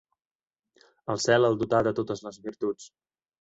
El cel el dotà de totes les virtuts.